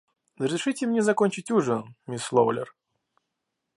Разрешите мне закончить ужин, мисс Лоулер.